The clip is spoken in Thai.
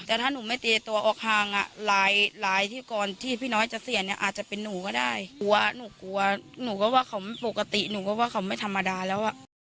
แต่ถ้าหนูไม่ตีตัวออกห่างอ่ะลายที่ก่อนที่พี่น้อยจะเสียเนี่ยอาจจะเป็นหนูก็ได้กลัวหนูกลัวหนูก็ว่าเขาปกติหนูก็ว่าเขาไม่ธรรมดาแล้วอ่ะ